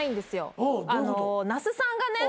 那須さんがね